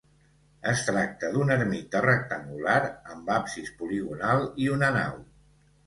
Es tracta d'una ermita rectangular amb absis poligonal i una nau.